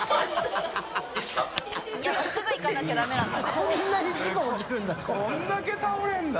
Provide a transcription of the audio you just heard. こんなに事故起きるんだ。